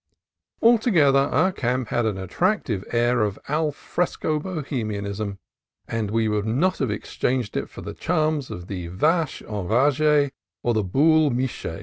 Altogether our camp had an attractive air of al fresco Bohemianism, and we would not have ex changed it for the charms of the Vache Enragee and the BouV Micke'.